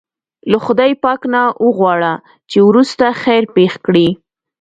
له خدای پاک نه وغواړه چې وروسته خیر پېښ کړي.